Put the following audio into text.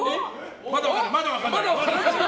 まだ分からないよ。